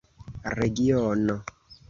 regiono